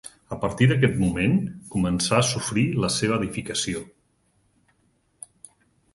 A partir d'aquest moment començà a sofrir la seva edificació.